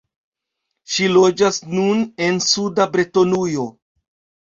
Ŝi loĝas nun en suda Bretonujo.